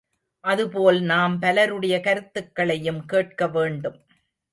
அதுபோல் நாம் பலருடைய கருத்துக்களையும் கேட்க வேண்டும்.